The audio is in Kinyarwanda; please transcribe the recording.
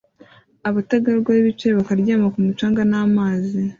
abategarugori bicaye bakaryama ku mucanga n'amazi